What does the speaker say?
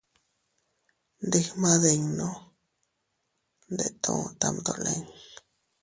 Ndigmadinnu ndetuu tamdolin.